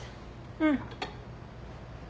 うん。